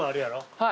はい。